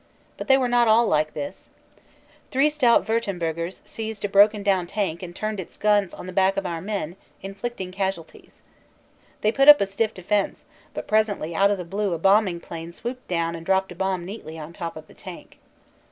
But they were not all like this. Three stout Wurtem burgers seized a broken down tank and turned its guns on the back of our men, inflicting casualties. They put up a stiff defense, but presently out of the blue a bombing plane swooped down and dropped a bomb neatly on top of the tank.